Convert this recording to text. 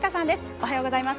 おはようございます。